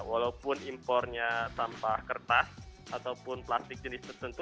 walaupun impornya sampah kertas ataupun plastik jenis tertentu